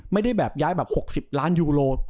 ไม่ได้แบบย้ายแบบ๖๐ล้านยูโร